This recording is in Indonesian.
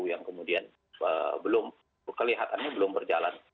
yang kemudian belum kelihatannya belum berjalan